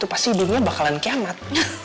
pasti dunia bakalan kemat